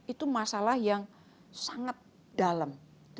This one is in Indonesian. itu masalah yang sangat dalam